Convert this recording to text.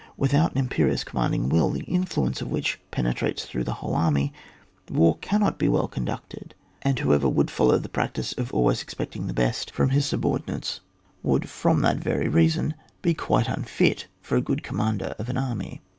Without an imperious commanding will, the influence of which penetrates through the whole army, war cannot be well con ducted ; and whoever would follow the practice of always expecting the best 202 ON WAR. [book tl from his subordinates, would from tliat very reason be quite unfit for a good Commander of an army.